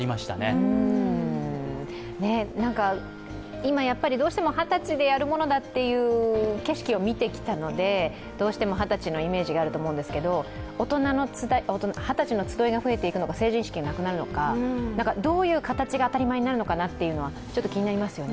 今、どうしても二十歳でやるものだという景色を見てきたのでどうしても二十歳のイメージがあると思うんですけど二十歳の集いが増えていくのか、成人式がなくなるのか、どういう形が当たり前になるのかなというのはちょっと気になりますよね。